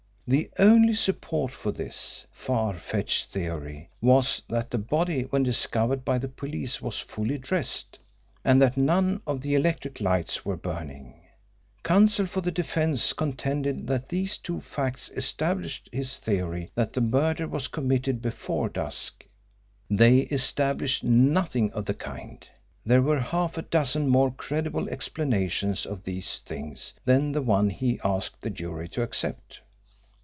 The only support for this, far fetched theory was that the body when discovered by the police was fully dressed, and that none of the electric lights were burning. Counsel for the defence contended that these two facts established his theory that the murder was committed before dusk. They established nothing of the kind. There were half a dozen more credible explanations of these things than the one he asked the jury to accept.